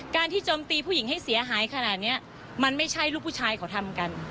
ที่โจมตีผู้หญิงให้เสียหายขนาดนี้มันไม่ใช่ลูกผู้ชายเขาทำกัน